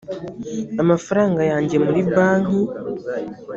amafaranga yanjye muri banki